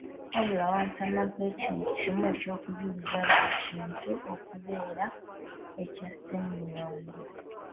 Wabula wantamako ekintu kimu eky’okujuliza buli kintu okubeera ekya Ssenyondo.